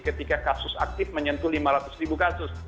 ketika kasus aktif menyentuh lima ratus ribu kasus